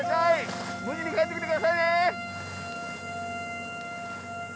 無事に帰ってきてくださいね。